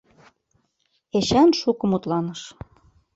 Эчан шуко мутланыш.